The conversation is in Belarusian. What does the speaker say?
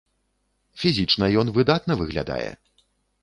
Фізічна ён выдатна выглядае.